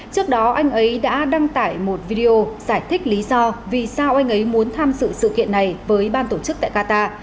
trước đó anh ấy đã đăng tải một video giải thích lý do vì sao anh ấy muốn tham sự sự kiện này với ban tổ chức tại qatar